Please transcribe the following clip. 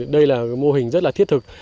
đây là mô hình rất là thiết thực